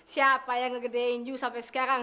siapa yang menggedeikan kamu sampai sekarang